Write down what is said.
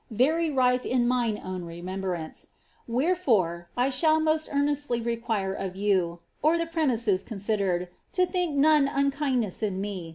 very rife in mine own retnenibrauce. Where fi>re I shall most earnestly require you (the premises considered) to think none ankindness in me.